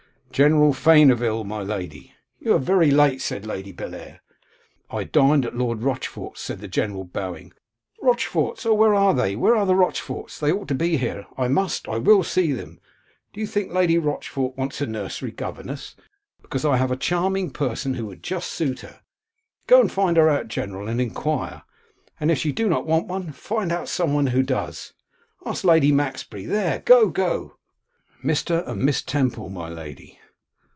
'General Faneville, my lady.' 'You are very late,' said Lady Bellair. 'I dined at Lord Rochfort's,' said the general bowing. 'Rochfort's! Oh! where are they? where are the Rochforts? they ought to be here. I must, I will see them. Do you think Lady Rochfort wants a nursery governess? Because I have a charming person who would just suit her. Go and find her out, General, and enquire; and if she do not want one, find out some one who does. Ask Lady Maxbury. There, go, go.' 'Mr. and Miss Temple, my lady.